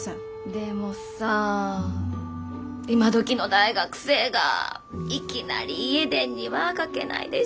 でもさ今どきの大学生がいきなり家電にはかけないでしょ。